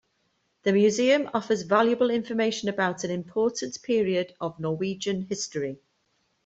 The museum offers valuable information about an important period of Norwegian history.